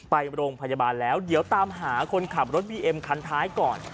ไปโรงพยาบาลแล้วเดี๋ยวตามหาคนขับรถบีเอ็มคันท้ายก่อน